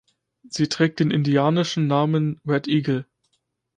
Sie trägt den indianischen Namen "Red Eagle".